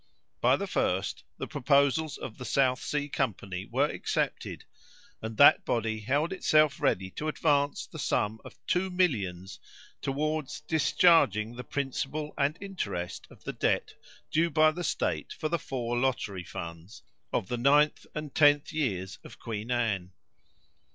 By the first, the proposals of the South Sea Company were accepted, and that body held itself ready to advance the sum of two millions towards discharging the principal and interest of the debt due by the state for the four lottery funds, of the ninth and tenth years of Queen Anne.